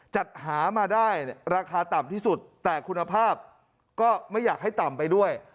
จัดหามาได้ราคาต่ำที่สุดแต่คุณภาพก็ไม่อยากให้ต่ำไปด้วย